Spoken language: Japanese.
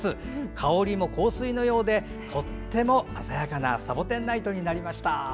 香りも香水のようでとても鮮やかなサボテンナイトになりました。